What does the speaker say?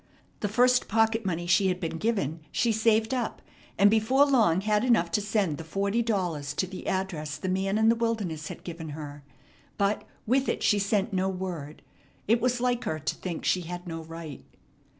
The first pocket money she had been given she saved up, and before long had enough to send the forty dollars to the address the man in the wilderness had given her. But with it she sent no word. It was like her to think she had no right.